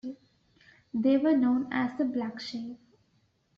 They were known as the Black Sheep.